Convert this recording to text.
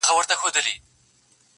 ما دفن کړه د دې کلي هدیره کي,